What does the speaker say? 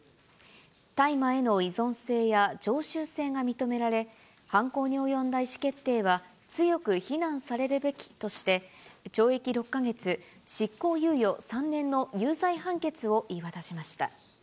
大麻への依存性や常習性が認められ、犯行に及んだ意思決定は強く非難されるべきとして、懲役６か月執行猶予３年の有罪判決を言い渡しました。